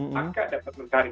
maka dapat mencari